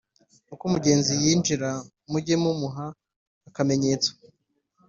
uko umugenzi yinjira mujye mumuha akamenyetso